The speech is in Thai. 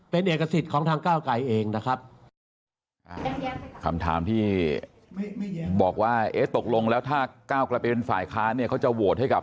เป็นเอกสิทธิ์ของทางก้าวไกรเองนะครับ